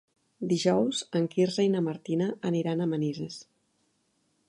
Dijous en Quirze i na Martina aniran a Manises.